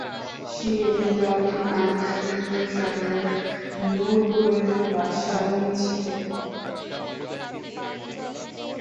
শিরিনের দাবি, আনিসুরকে শহরের নূরপুরের বাসা নিজ থেকে তুলে নিয়ে যাওয়া হয়েছে।